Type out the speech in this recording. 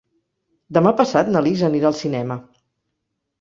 Demà passat na Lis anirà al cinema.